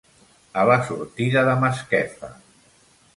A la sortida de Masquefa.